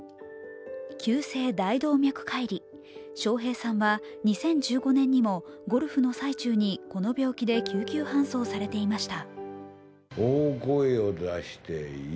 急性大動脈解離、笑瓶さんは２０１５年にもゴルフの最中にこの病気で救急搬送されていました。